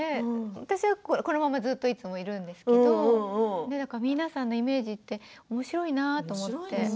私はこのままずっといつもいるんですけど皆さんのイメージっておもしろいなと思って。